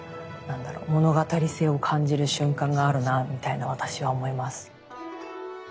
物語性を感じる瞬間があるなみたいな私は思います。